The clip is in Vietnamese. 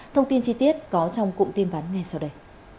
thông tin chi tiết có trong cụm tin vắn ngay sau đây